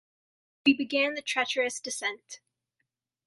We began the treacherous descent.